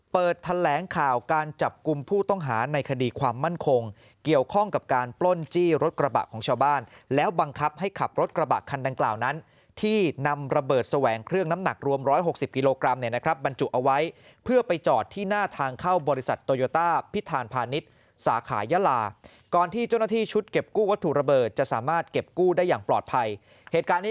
เปิดทะแหลงข่าวการจับกุมผู้ต้องหาในคดีความมั่นคงเกี่ยวข้องกับการปล้นจี้รถกระบะของชาวบ้านแล้วบังคับให้ขับรถกระบะคันดังกล่าวนั้นที่นำระเบิดแสวงเครื่องน้ำหนักรวม๑๖๐กิโลกรัมเนี่ยนะครับบรรจุเอาไว้เพื่อไปจอดที่หน้าทางเข้าบริษัทโตยอต้าพิธานพาณิชย์สาขายาลาก่อนที่เจ้าหน้